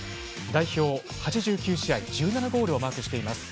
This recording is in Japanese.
代表８９試合１７ゴールをマークしています。